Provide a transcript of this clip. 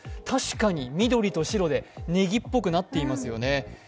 確かに緑と白でねぎっぽくなっていますよね。